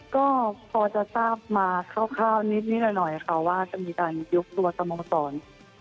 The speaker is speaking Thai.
ก็พอจะทราบมาคร่าวนิดหน่อยค่ะว่าจะมีการยกตัวสโมสร